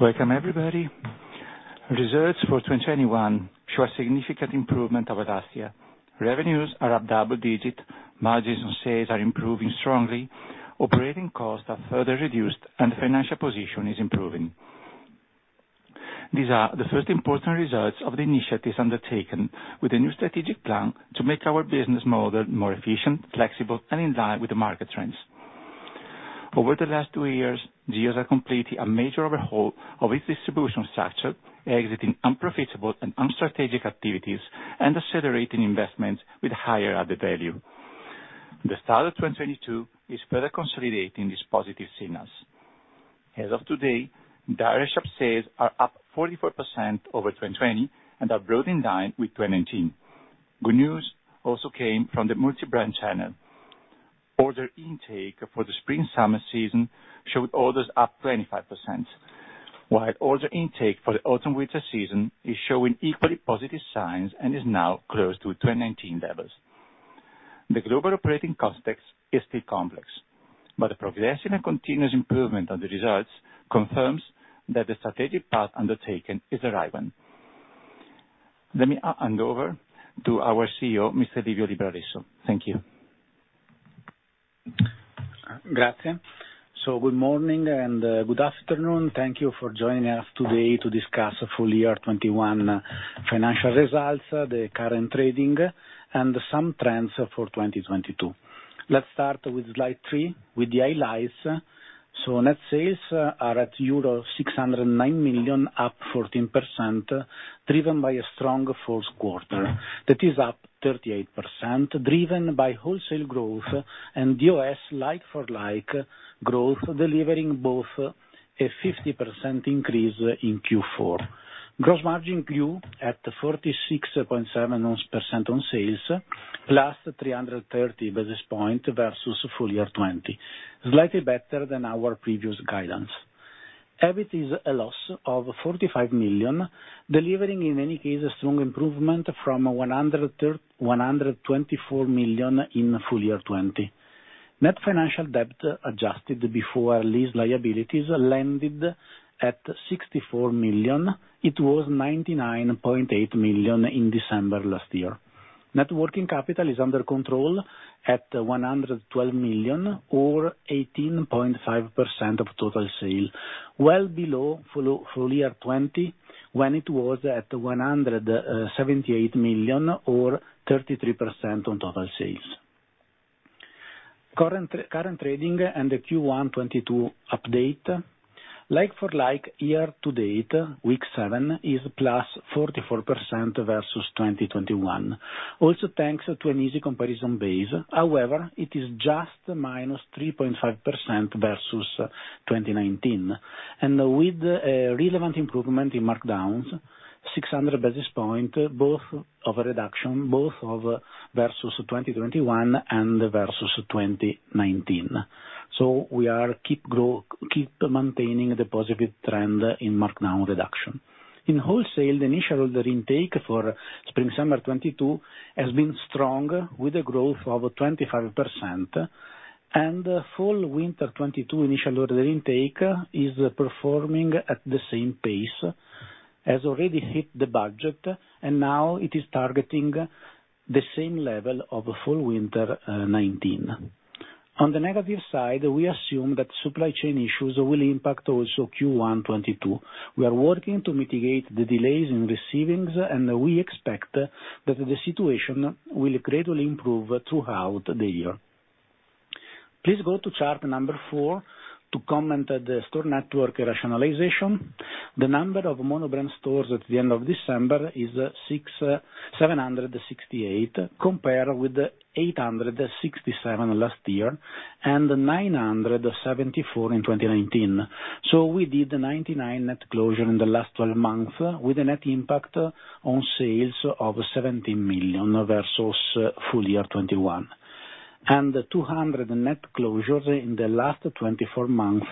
Welcome everybody. Results for 2021 show a significant improvement over last year. Revenues are up double-digit, margins and sales are improving strongly, operating costs are further reduced, and the financial position is improving. These are the first important results of the initiatives undertaken with the new strategic plan to make our business model more efficient, flexible, and in line with the market trends. Over the last two years, Geox has completed a major overhaul of its distribution structure, exiting unprofitable and unstrategic activities and accelerating investments with higher added value. The start of 2022 is further consolidating these positive signals. As of today, direct shop sales are up 44% over 2020 and are growing in line with 2019. Good news also came from the multi-brand channel. Order intake for the Spring/Summer season showed orders up 25%, while order intake for the Autumn/Winter season is showing equally positive signs and is now close to 2019 levels. The global operating context is still complex, but the progression and continuous improvement of the results confirms that the strategic path undertaken is the right one. Let me hand over to our CEO, Mr. Livio Libralesso. Thank you. Grazie. Good morning and good afternoon. Thank you for joining us today to discuss the full year 2021 financial results, the current trading, and some trends for 2022. Let's start with slide three with the highlights. Net sales are at euro 609 million, up 14%, driven by a stronger fourth quarter that is up 38%, driven by wholesale growth and DOS like-for-like growth, delivering both a 50% increase in Q4. Gross margin grew at 46.7% on sales, plus the 330 basis points versus full year 2020. Slightly better than our previous guidance. EBIT is a loss of 45 million, delivering in any case a strong improvement from 124 million in full year 2020. Net financial debt adjusted before lease liabilities landed at 64 million. It was 99.8 million in December last year. Net working capital is under control at 112 million or 18.5% of total sales, well below full year 2020 when it was at 178 million or 33% of total sales. Current trading and the Q1 2022 update, like-for-like year-to-date, week seven is +44% versus 2021, also thanks to an easy comparison base. However, it is just -3.5% versus 2019. With a relevant improvement in markdowns, 600 basis points, both as a reduction versus 2021 and versus 2019. We keep maintaining the positive trend in markdown reduction. In wholesale, the initial order intake for Spring/Summer 2022 has been strong with a growth of 25%. Fall/Winter 2022 initial order intake is performing at the same pace, has already hit the budget, and now it is targeting the same level of Fall/Winter 2019. On the negative side, we assume that supply chain issues will impact also Q1 2022. We are working to mitigate the delays in receiving, and we expect that the situation will gradually improve throughout the year. Please go to chart number four to comment the store network rationalization. The number of mono-brand stores at the end of December is 768, compared with 867 last year and 974 in 2019. We did 99 net closures in the last 12 months with a net impact on sales of 17 million versus full year 2021, and 200 net closures in the last 24 months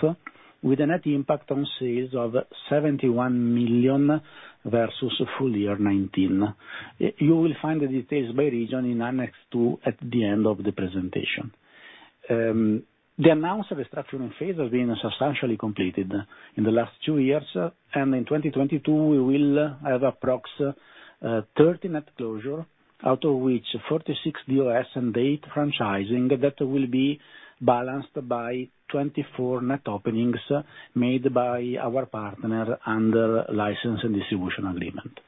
with a net impact on sales of 71 million versus full year 2019. You will find the details by region in Annex 2 at the end of the presentation. The announced restructuring phase has been substantially completed in the last two years, and in 2022 we will have approx. 30 net closures, out of which 46 DOS and eight franchising that will be balanced by 24 net openings made by our partner under license and distribution agreement.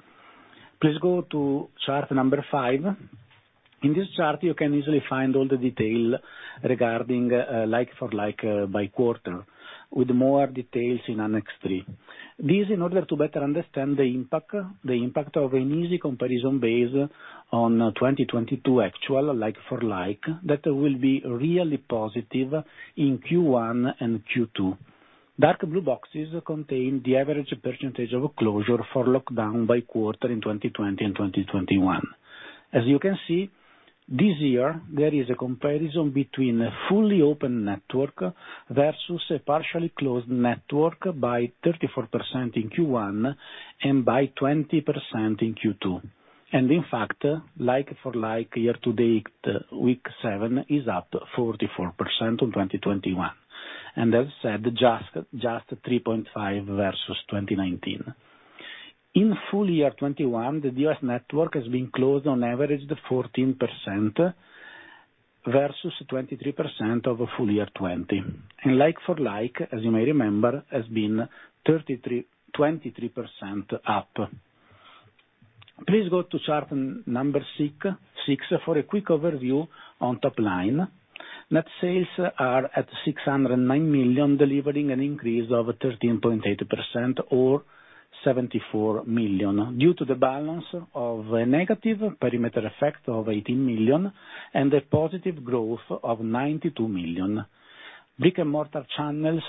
Please go to chart number five. In this chart, you can easily find all the details regarding like for like by quarter, with more details in Annex 3. This in order to better understand the impact of an easy comparison base on 2022 actual like for like that will be really positive in Q1 and Q2. Dark blue boxes contain the average percentage of closure for lockdown by quarter in 2020 and 2021. As you can see, this year there is a comparison between a fully open network versus a partially closed network by 34% in Q1 and by 20% in Q2. In fact, like for like, year to date, week seven is up 44% on 2021. As said, just 3.5 versus 2019. In full year 2021, the DOS network has been closed on average to 14% versus 23% of full year 2020. Like for like, as you may remember, has been 23% up. Please go to chart number six for a quick overview on top line. Net sales are at 609 million, delivering an increase of 13.8% or 74 million due to the balance of a negative perimeter effect of 18 million and a positive growth of 92 million. Brick-and-mortar channels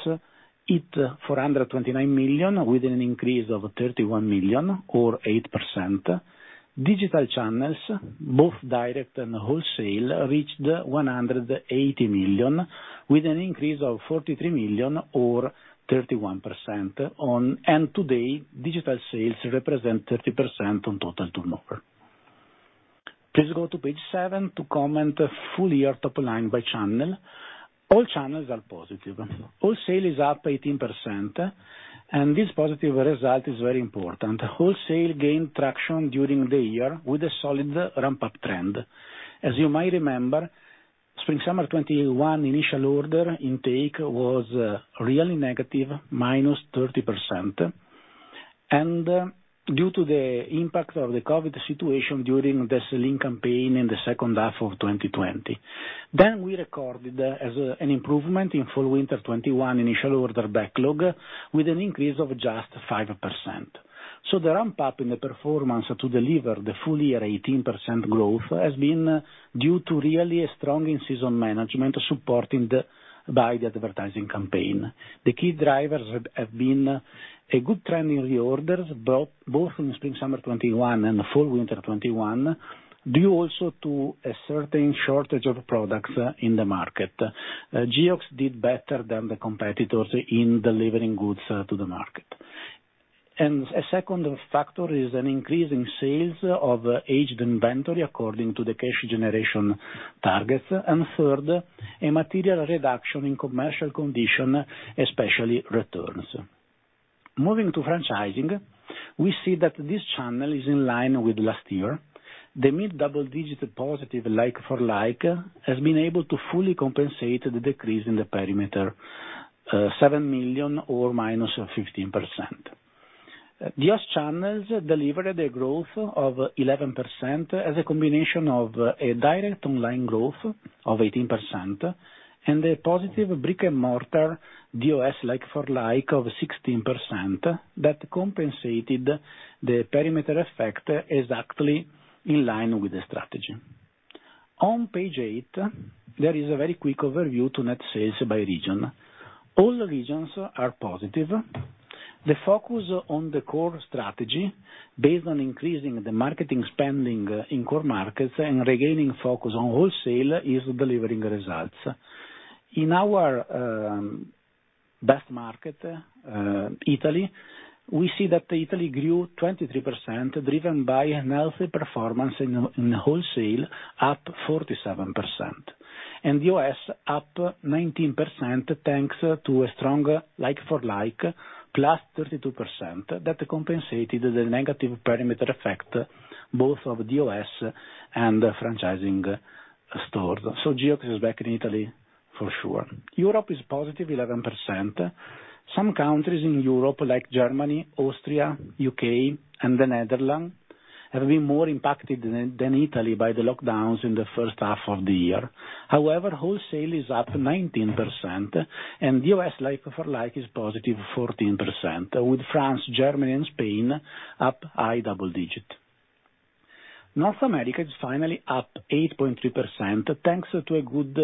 hit 429 million, with an increase of 31 million or 8%. Digital channels, both direct and wholesale, reached 180 million with an increase of 43 million or 31%. Today, digital sales represent 30% on total turnover. Please go to page seven to comment full year top line by channel. All channels are positive. Wholesale is up 18%, and this positive result is very important. Wholesale gained traction during the year with a solid ramp-up trend. As you might remember, Spring/Summer 2021 initial order intake was really negative, -30%, and due to the impact of the COVID situation during the selling campaign in the second half of 2020. We recorded an improvement in Fall/Winter 2021 initial order backlog with an increase of just 5%. The ramp-up in the performance to deliver the full year 18% growth has been due to really a strong in-season management supported by the advertising campaign. The key drivers have been a good trend in reorders both in Spring/Summer 2021 and the Fall/Winter 2021, due also to a certain shortage of products in the market. Geox did better than the competitors in delivering goods to the market. A second factor is an increase in sales of aged inventory according to the cash generation targets. Third, a material reduction in commercial condition, especially returns. Moving to franchising, we see that this channel is in line with last year. The mid-double digit positive like for like has been able to fully compensate the decrease in the perimeter, 7 million or -15%. DOS channels delivered a growth of 11% as a combination of a direct online growth of 18% and a positive brick-and-mortar DOS like for like of 16% that compensated the perimeter effect exactly in line with the strategy. On page eight, there is a very quick overview to net sales by region. All the regions are positive. The focus on the core strategy based on increasing the marketing spending in core markets and regaining focus on wholesale is delivering results. In our best market, Italy, we see that Italy grew 23%, driven by a healthy performance in wholesale, up 47%. In the U.S., up 19%, thanks to a strong like for like, +32%, that compensated the negative perimeter effect both of DOS and the franchising stores. Geox is back in Italy for sure. Europe is positive 11%. Some countries in Europe, like Germany, Austria, U.K., and the Netherlands, have been more impacted than Italy by the lockdowns in the first half of the year. However, wholesale is up 19% and U.S. like for like is +14%, with France, Germany, and Spain up high double digit. North America is finally up 8.3%, thanks to a good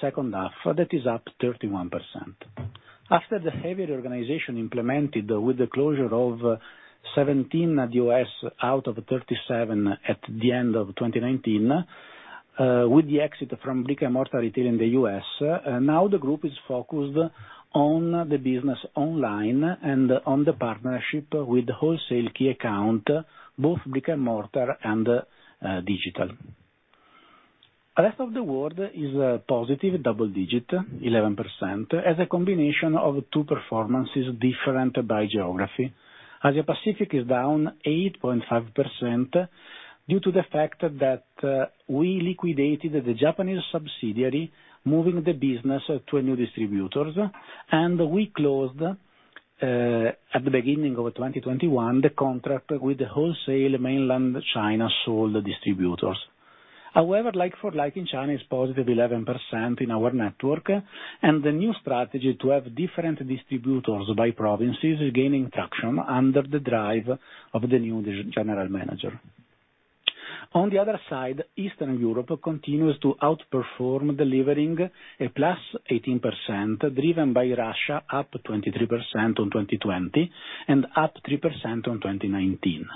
second half that is up 31%. After the heavy reorganization implemented with the closure of 17 DOS out of 37 at the end of 2019, with the exit from brick-and-mortar retail in the U.S., now the group is focused on the business online and on the partnership with wholesale key account, both brick-and-mortar and digital. Rest of the world is a positive double digit, 11%, as a combination of two performances different by geography. Asia Pacific is down 8.5% due to the fact that we liquidated the Japanese subsidiary, moving the business to a new distributor, and we closed at the beginning of 2021 the contract with the wholesale mainland China sole distributors. However, like for like in China is +11% in our network, and the new strategy to have different distributors by provinces is gaining traction under the drive of the new distribution general manager. On the other side, Eastern Europe continues to outperform, delivering +18%, driven by Russia up 23% on 2020 and up 3% on 2019.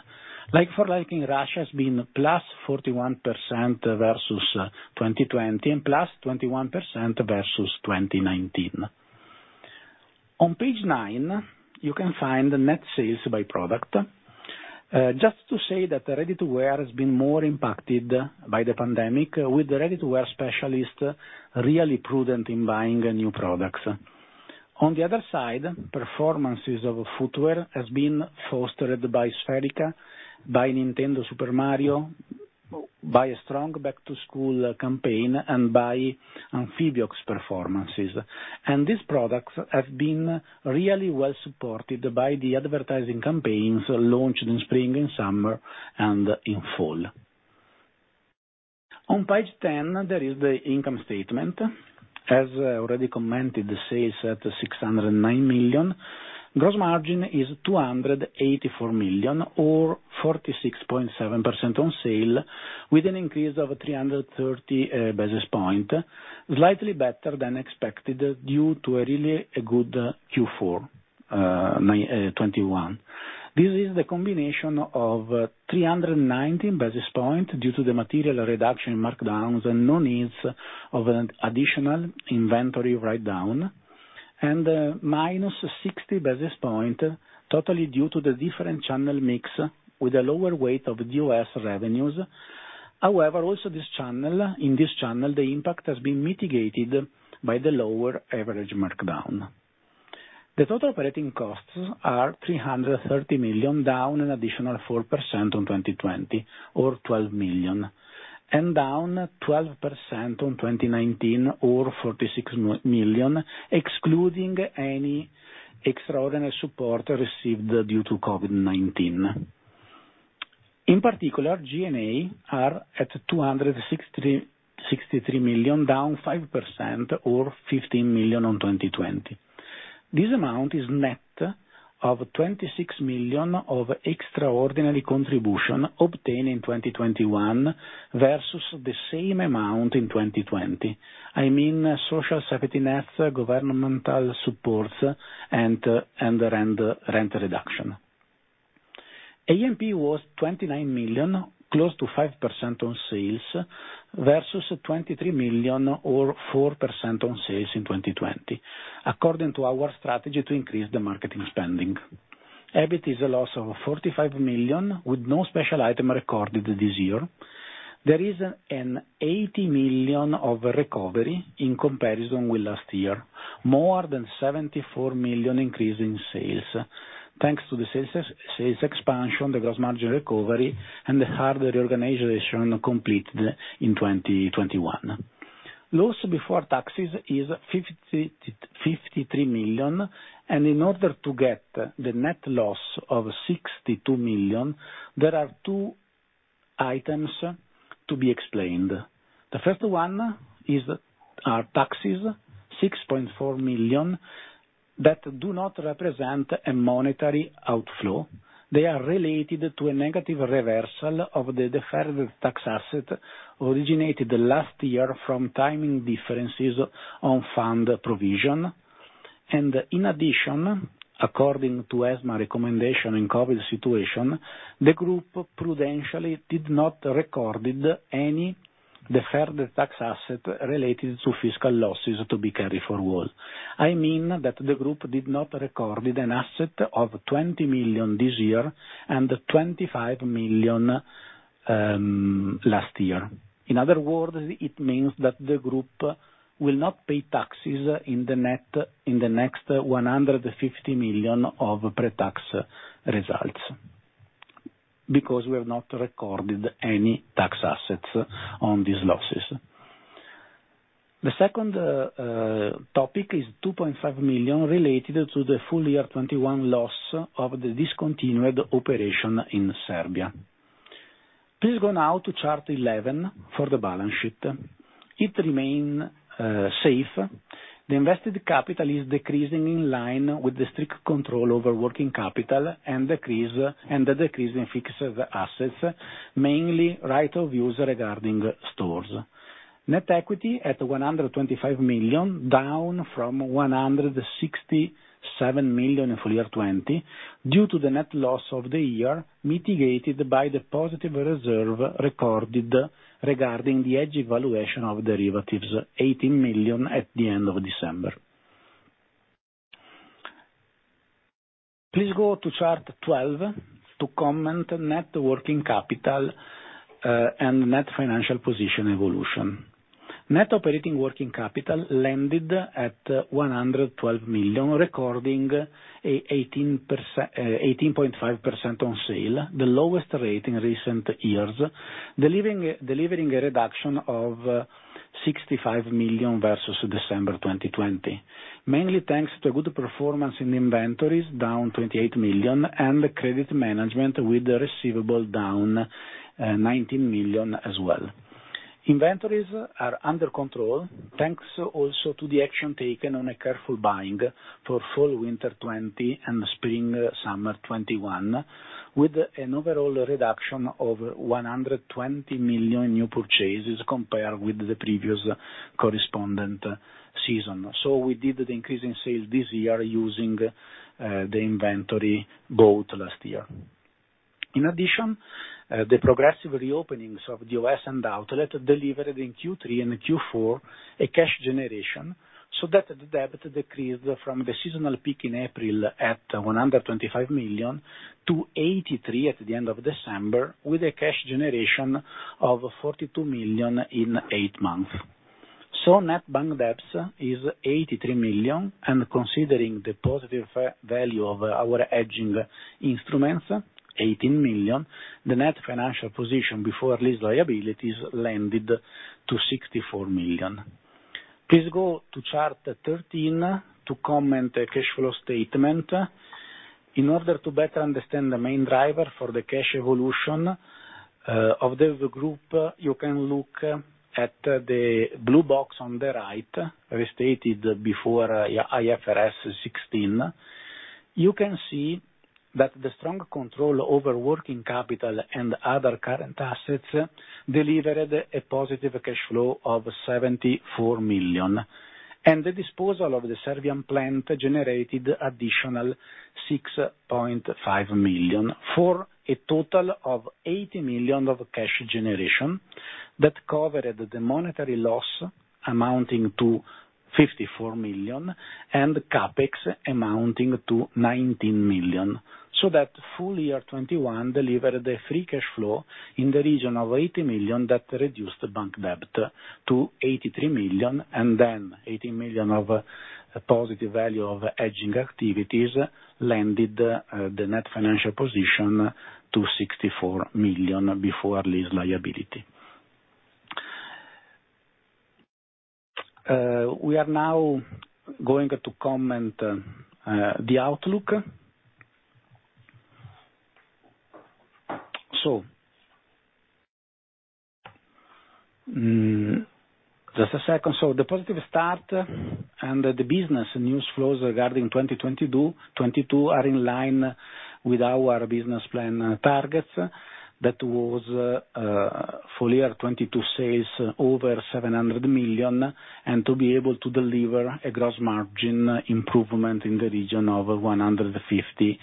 Like for like in Russia has been +41% versus 2020 and +21% versus 2019. On page nine, you can find the net sales by product. Just to say that the ready-to-wear has been more impacted by the pandemic with the ready-to-wear specialist really prudent in buying new products. On the other side, performance of footwear has been fostered by Spherica, by Nintendo Super Mario, by a strong back-to-school campaign and by Amphibiox performance. These products have been really well supported by the advertising campaigns launched in spring and summer and in fall. On page 10, there is the income statement. As already commented, the sales at 609 million. Gross margin is 284 million or 46.7% on sale, with an increase of 330 basis points, slightly better than expected due to a really good Q4 2021. This is the combination of 319 basis points due to the material reduction markdowns and no needs of an additional inventory write down and minus 60 basis points totally due to the different channel mix with a lower weight of the U.S. revenues. However, also in this channel, the impact has been mitigated by the lower average markdown. The total operating costs are 330 million, down an additional 4% on 2020 or 12 million, and down 12% on 2019 or 46 million, excluding any extraordinary support received due to COVID-19. In particular, G&A are at 263 million, down 5% or 15 million on 2020. This amount is net of 26 million of extraordinary contribution obtained in 2021 versus the same amount in 2020. I mean social safety nets, governmental supports and rent reduction. A&P was 29 million, close to 5% on sales versus 23 million or 4% on sales in 2020, according to our strategy to increase the marketing spending. EBIT is a loss of 45 million with no special item recorded this year. There is an 80 million of recovery in comparison with last year. More than 74 million increase in sales, thanks to the sales expansion, the gross margin recovery and the hardware organization completed in 2021. Loss before taxes is 53 million, and in order to get the net loss of 62 million, there are two items to be explained. The first one is taxes, 6.4 million that do not represent a monetary outflow. They are related to a negative reversal of the deferred tax asset originated last year from timing differences on fund provision. In addition, according to ESMA recommendation in COVID situation, the group prudentially did not recorded any deferred tax asset related to fiscal losses to be carried forward. I mean that the group did not recorded an asset of 20 million this year and 25 million last year. In other words, it means that the group will not pay taxes in the next 150 million of pre-tax results because we have not recorded any tax assets on these losses. The second topic is 2.5 million related to the full year 2021 loss of the discontinued operation in Serbia. Please go now to chart 11 for the balance sheet. It remains safe. The invested capital is decreasing in line with the strict control over working capital and the decrease in fixed assets, mainly right-of-use regarding stores. Net equity at 125 million, down from 167 million in full year 2020 due to the net loss of the year, mitigated by the positive reserve recorded regarding the hedge evaluation of derivatives, 18 million at the end of December. Please go to chart 12 to comment net working capital and net financial position evolution. Net operating working capital landed at 112 million, recording 18.5% on sales, the lowest rate in recent years, delivering a reduction of 65 million versus December 2020, mainly thanks to good performance in inventories, down 28 million, and credit management with the receivable down 19 million as well. Inventories are under control, thanks also to the action taken on a careful buying for Fall/Winter 2020 and Spring/Summer 2021, with an overall reduction of 120 million new purchases compared with the previous corresponding season. We did the increase in sales this year using the inventory bought last year. In addition, the progressive reopenings of the U.S. and the outlet delivered in Q3 and Q4 a cash generation so that the debt decreased from the seasonal peak in April at 125 million to 83 million at the end of December, with a cash generation of 42 million in eight months. Net bank debts is 83 million, and considering the positive value of our hedging instruments, 18 million, the net financial position before lease liabilities landed at 64 million. Please go to chart 13 to comment on the cash flow statement. In order to better understand the main driver for the cash evolution of the group, you can look at the blue box on the right, restated before IFRS 16. You can see that the strong control over working capital and other current assets delivered a positive cash flow of 74 million. The disposal of the Serbian plant generated additional 6.5 million, for a total of 80 million of cash generation that covered the monetary loss amounting to 54 million and CapEx amounting to 19 million. That full year 2021 delivered a free cash flow in the region of 80 million that reduced the bank debt to 83 million and then 80 million of positive value of hedging activities lent the net financial position to 64 million before lease liability. We are now going to comment the outlook. The positive start and the business news flows regarding 2022 are in line with our business plan targets. That was full year 2022 sales over 700 million and to be able to deliver a gross margin improvement in the region of 150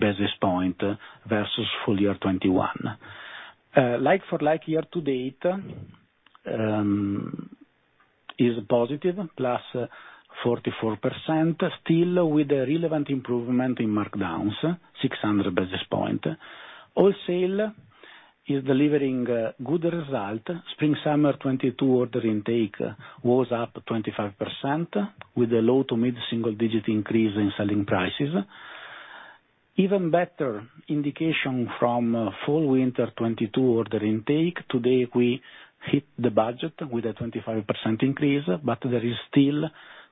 basis points versus full year 2021. Like for like year to date is positive, +44%, still with a relevant improvement in markdowns, 600 basis points. Wholesale is delivering a good result. Spring/Summer 2022 order intake was up 25% with a low- to mid-single-digit increase in selling prices. Even better indication from Fall/Winter 2022 order intake. Today, we hit the budget with a 25% increase, but there is still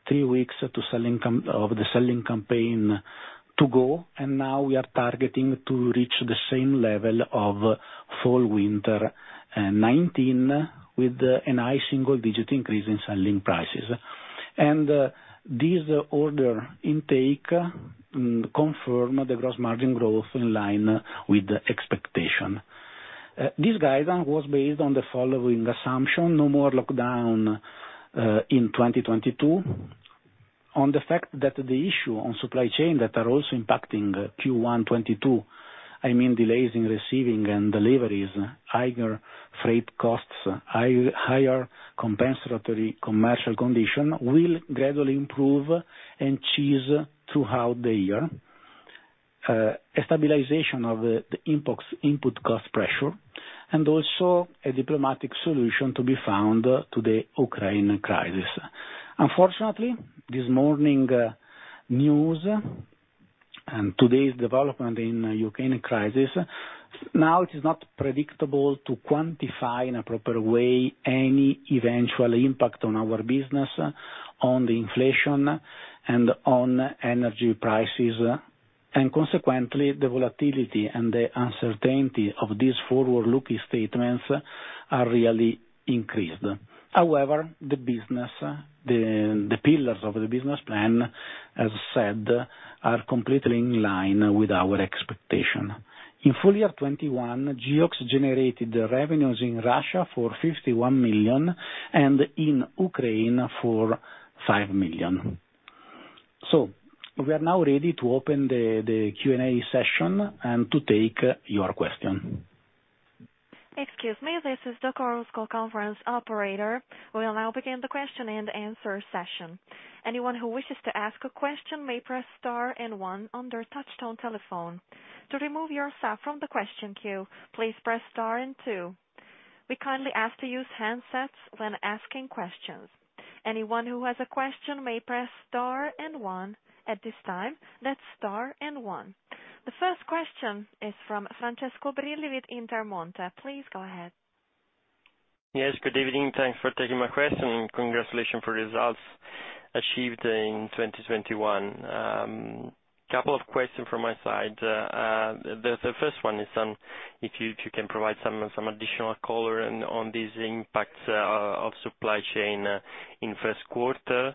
three weeks of the selling campaign to go, and now we are targeting to reach the same level of Fall/Winter 2019 with a high single-digit increase in selling prices. This order intake confirm the gross margin growth in line with the expectation. This guidance was based on the following assumption, no more lockdown in 2022. On the fact that the issue on supply chain that are also impacting Q1 2022, I mean delays in receiving and deliveries, higher freight costs, higher compensatory commercial condition will gradually improve and ease throughout the year. A stabilization of the input cost pressure, and also a diplomatic solution to be found to the Ukraine crisis. Unfortunately, this morning news and today's development in Ukraine crisis, now it is not predictable to quantify in a proper way any eventual impact on our business, on the inflation, and on energy prices. Consequently, the volatility and the uncertainty of these forward-looking statements are really increased. However, the business, the pillars of the business plan, as said, are completely in line with our expectation. In full year 2021, Geox generated the revenues in Russia for 51 million and in Ukraine for 5 million. We are now ready to open the Q&A session and to take your question. Excuse me, this is the conference call operator. We will now begin the question and answer session. Anyone who wishes to ask a question may press star and one on their touchtone telephone. To remove yourself from the question queue, please press star and two. We kindly ask to use handsets when asking questions. Anyone who has a question may press star and one at this time. That's star and one. The first question is from Francesco Brilli with Intermonte. Please go ahead. Yes, good evening. Thanks for taking my question and congratulations for results achieved in 2021. Couple of questions from my side. The first one is if you can provide some additional color on these impacts of supply chain in first quarter,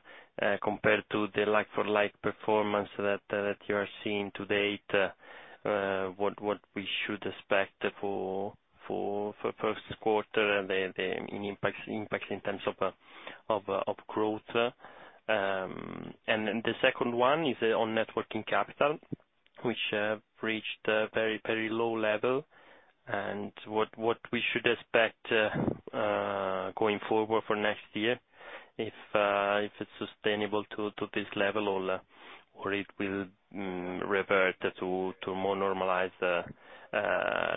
compared to the like for like performance that you are seeing to date, what we should expect for first quarter and the impacts in terms of growth. The second one is on net working capital, which reached a very low level, and what we should expect going forward for next year if it's sustainable to this level or it will revert to more normalized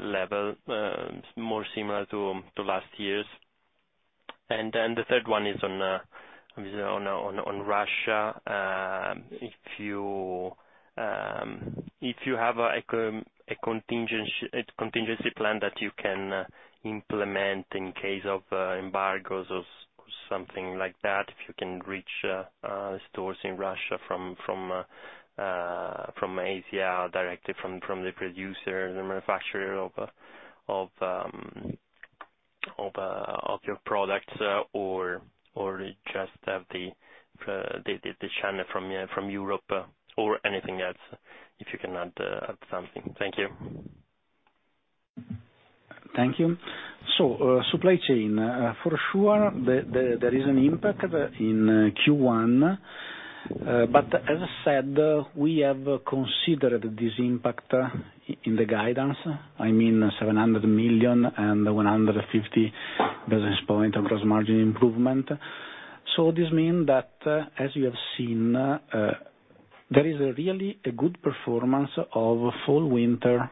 level, more similar to last year's. The third one is on Russia. If you have a contingency plan that you can implement in case of embargoes or something like that, if you can reach stores in Russia from Asia, directly from the producer and manufacturer of your products, or just have the channel from Europe, or anything else, if you can add something. Thank you. Thank you. Supply chain. For sure, there is an impact in Q1. As I said, we have considered this impact in the guidance. I mean, 700 million and 150 basis points of gross margin improvement. This mean that, as you have seen, there is really good performance of Fall/Winter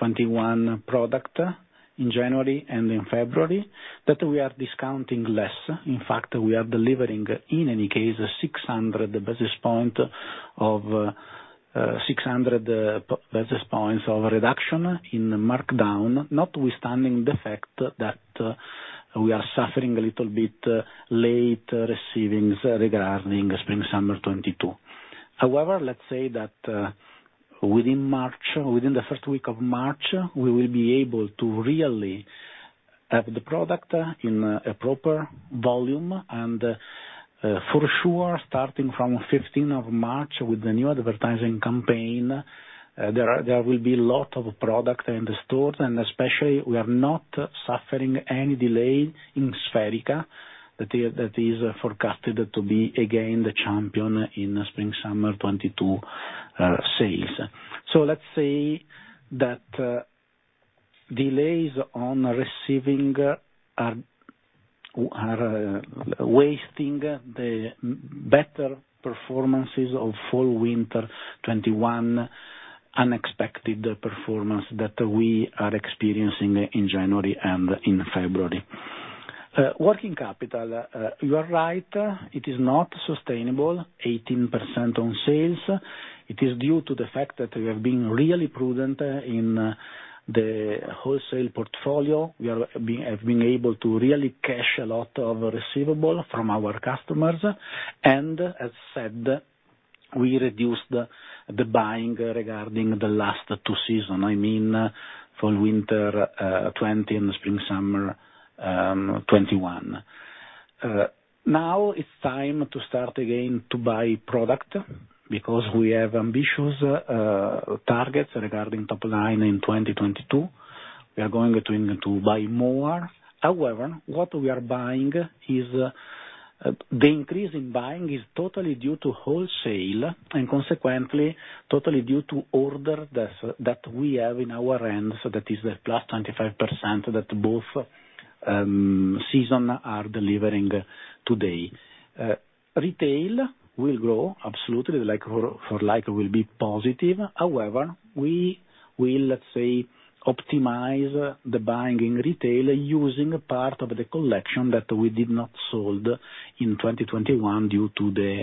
2021 product in January and in February that we are discounting less. In fact, we are delivering, in any case, 600 basis points of reduction in markdown, notwithstanding the fact that we are suffering a little bit late receiving regarding Spring/Summer 2022. However, let's say that, within March, within the first week of March, we will be able to really have the product in a proper volume and, for sure, starting from 15th of March with the new advertising campaign, there will be lot of product in the stores, and especially, we are not suffering any delay in Spherica. That is forecasted to be again the champion in Spring/Summer 2022 sales. Let's say that, delays on receiving are wasting the better performances of Fall/Winter 2021 unexpected performance that we are experiencing in January and in February. Working capital, you are right. It is not sustainable 18% on sales. It is due to the fact that we have been really prudent in the wholesale portfolio. We have been able to really cash a lot of receivable from our customers and, as said, we reduced the buying regarding the last two seasons, I mean Fall/Winter 2020 and Spring/Summer 2021. Now, it's time to start again to buy product because we have ambitious targets regarding top line in 2022. We are going to buy more. However, what we are buying is the increase in buying is totally due to wholesale and consequently totally due to orders that we have in hand. So that is the +25% that both seasons are delivering today. Retail will grow absolutely, like for like will be positive. However, we will, let's say, optimize the buying in retail using part of the collection that we did not sell in 2021 due to the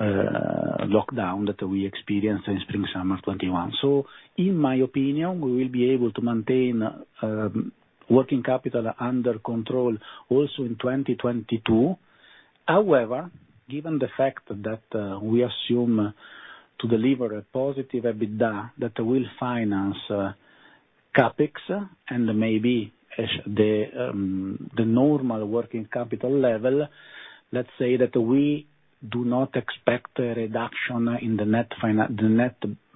lockdown that we experienced in Spring/Summer 2021. In my opinion, we will be able to maintain working capital under control also in 2022. However, given the fact that we assume to deliver a positive EBITDA that will finance CapEx and maybe the normal working capital level, let's say that we do not expect a reduction in the net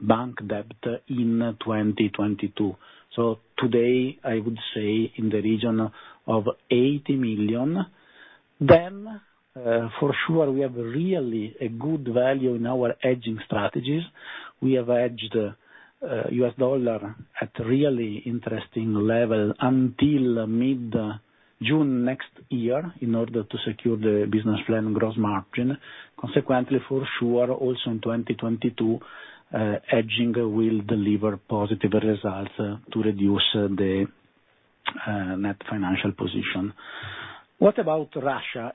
bank debt in 2022. Today I would say in the region of 80 million. For sure, we have really a good value in our hedging strategies. We have hedged U.S. dollar at really interesting level until mid-June next year in order to secure the business plan gross margin. Consequently, for sure, also in 2022, hedging will deliver positive results to reduce the net financial position. What about Russia?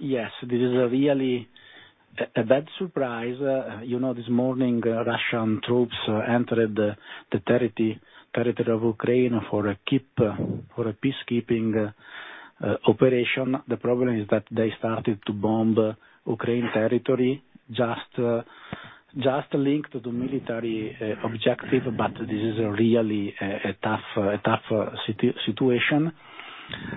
Yes, this is really a bad surprise. You know, this morning, Russian troops entered the territory of Ukraine for a peacekeeping operation. The problem is that they started to bomb Ukraine territory just linked to the military objective, but this is really a tough situation.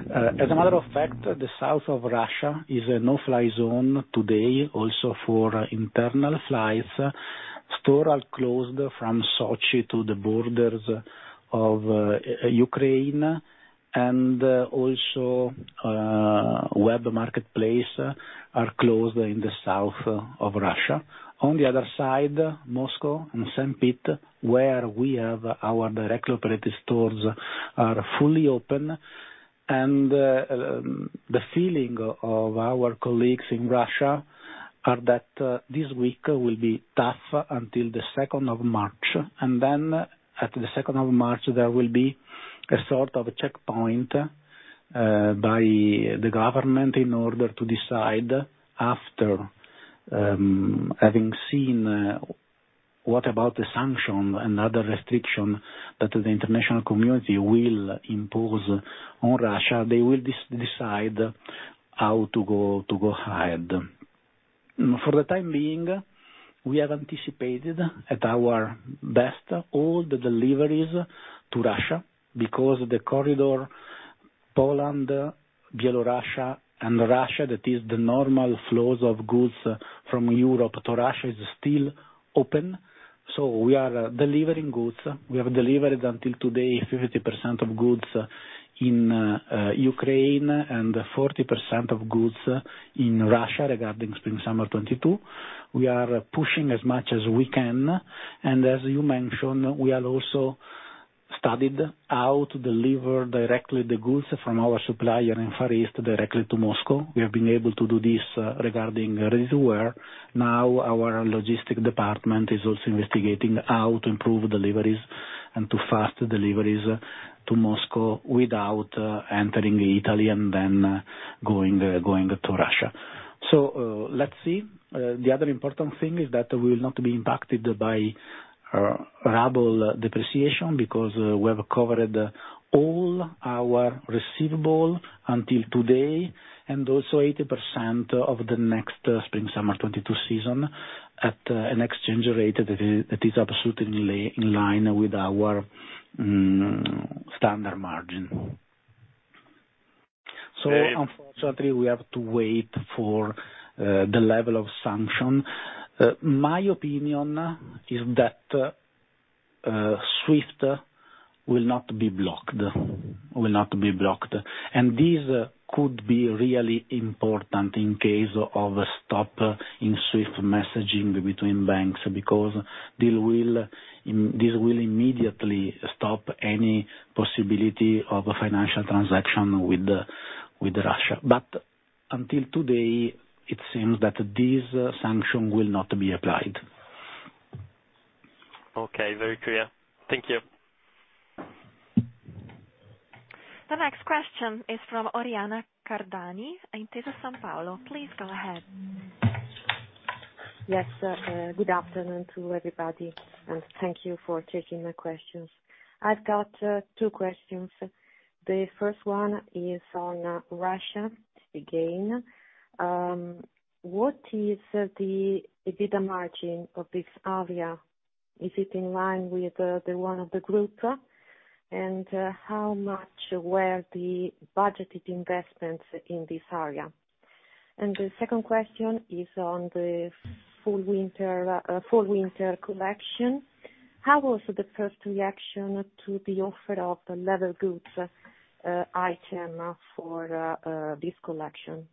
As a matter of fact, the south of Russia is a no-fly zone today also for internal flights. Stores are closed from Sochi to the borders of Ukraine, and also web marketplace are closed in the south of Russia. On the other side, Moscow and St. Pete, where we have our direct operating stores are fully open. The feeling of our colleagues in Russia are that this week will be tough until the second of March, and then after the second of March, there will be a sort of checkpoint by the government in order to decide after having seen what about the sanction and other restriction that the international community will impose on Russia, they will decide how to go ahead. For the time being, we have anticipated at our best all the deliveries to Russia because the corridor Poland, Belarus, and Russia, that is the normal flows of goods from Europe to Russia, is still open. We are delivering goods. We have delivered until today 50% of goods in Ukraine and 40% of goods in Russia regarding Spring/Summer 2022. We are pushing as much as we can, and as you mentioned, we have also studied how to deliver directly the goods from our supplier in Far East directly to Moscow. We have been able to do this regarding ready-to-wear. Now, our logistics department is also investigating how to improve deliveries and to faster deliveries to Moscow without entering Italy and then going to Russia. Let's see. The other important thing is that we will not be impacted by ruble depreciation because we have covered all our receivables until today, and also 80% of the next Spring/Summer 2022 season at an exchange rate that is absolutely in line with our standard margin. Okay. Unfortunately, we have to wait for the level of sanction. My opinion is that SWIFT will not be blocked. This could be really important in case of a stop in SWIFT messaging between banks, because this will immediately stop any possibility of a financial transaction with Russia. Until today, it seems that this sanction will not be applied. Okay. Very clear. Thank you. The next question is from Oriana Cardani, Intesa Sanpaolo. Please go ahead. Yes. Good afternoon to everybody, and thank you for taking my questions. I've got two questions. The first one is on Russia again. What is the EBITDA margin of this area? Is it in line with the one of the group? How much were the budgeted investments in this area? The second question is on the Fall/Winter collection. How was the first reaction to the offer of the leather goods item for this collection?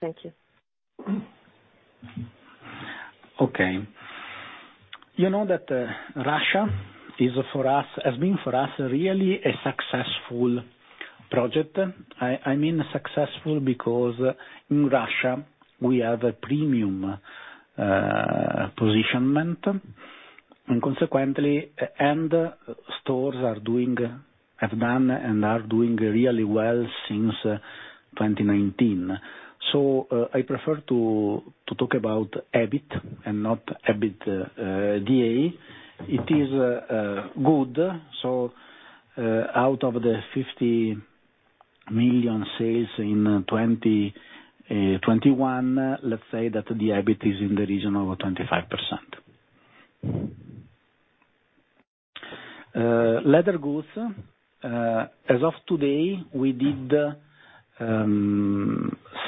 Thank you. Okay. You know, Russia has been for us really a successful project. I mean successful because in Russia we have a premium positioning, and consequently stores have done and are doing really well since 2019. I prefer to talk about EBIT and not EBITDA. It is good. Out of the 50 million sales in 2021, let's say that the EBIT is in the region of 25%. Leather goods, as of today, we did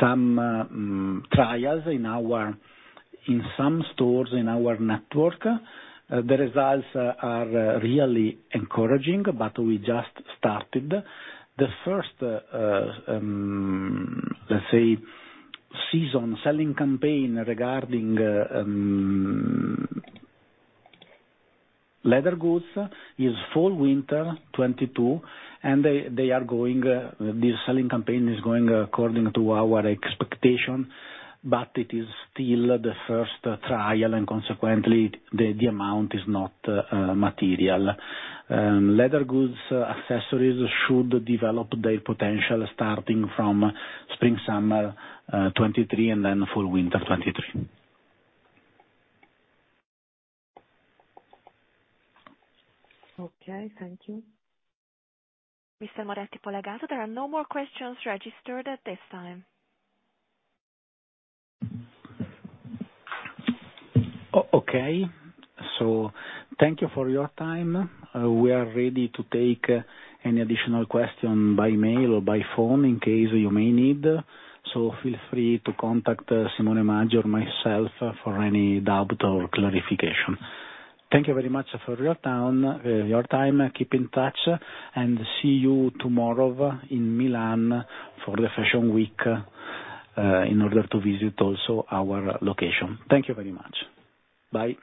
some trials in some stores in our network. The results are really encouraging, but we just started. The first, let's say, season selling campaign regarding leather goods is Fall/Winter 2022, and they are going. The selling campaign is going according to our expectation, but it is still the first trial and consequently, the amount is not material. Leather goods accessories should develop their potential starting from Spring/Summer 2023 and then Fall/Winter 2023. Okay. Thank you. Mr. Moretti Polegato, there are no more questions registered at this time. Okay. Thank you for your time. We are ready to take any additional question by email or by phone in case you may need. Feel free to contact Simone Maggi or myself for any doubt or clarification. Thank you very much for your time. Keep in touch, and see you tomorrow in Milan for the Fashion Week, in order to visit also our location. Thank you very much. Bye.